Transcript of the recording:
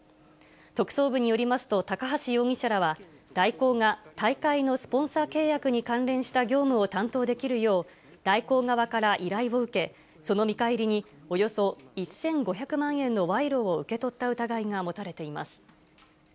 特捜部によりますと、高橋容疑者らは、大広が大会のスポンサー契約に関連した業務を担当できるよう、大広側から依頼を受け、その見返りに、およそ１５００万円の賄賂を受け取った疑いが持たれています。